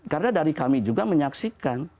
karena dari kami juga menyaksikan